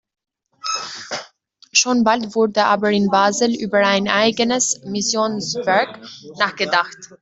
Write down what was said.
Schon bald wurde aber in Basel über ein eigenes Missionswerk nachgedacht.